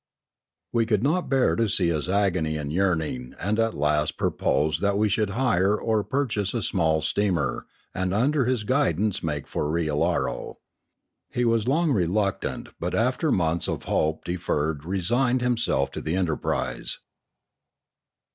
We could not bear to see his agony and yearning, and at last proposed that we should hire or pur chase a small steamer, and under his guidance make for Riallaro. He was long reluctant, but after months of hope deferred resigned himself to the enterprise.